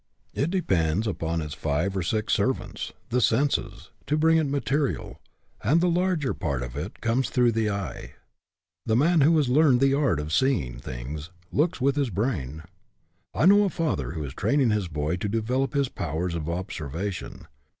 It depends upon its five or six servants, the senses, to bring it material, and the larger part of it comes through the eye. The man who has learned the art of see ing things looks with his brain. I know a father who is training his boy to develop his powers of observation.